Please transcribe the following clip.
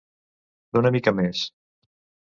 D'una mica més.